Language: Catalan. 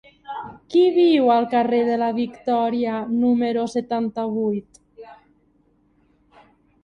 Qui viu al carrer de la Victòria número setanta-vuit?